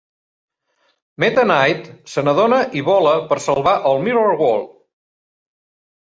Meta Knight se n'adona i vola per salvar el "Mirror World".